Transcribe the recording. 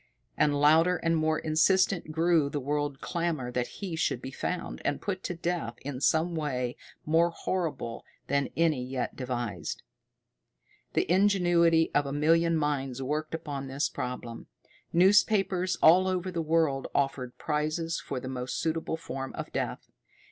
And louder and more insistent grew the world clamor that he should be found, and put to death in some way more horrible than any yet devised. The ingenuity of a million minds worked upon this problem. Newspapers all over the world offered prizes for the most suitable form of death.